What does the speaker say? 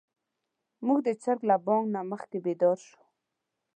موږ د چرګ له بانګ نه مخکې بيدار شوو.